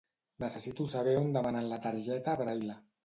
Necessito saber on demanen la targeta Braile.